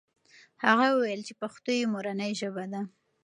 هغه وویل چې پښتو یې مورنۍ ژبه ده.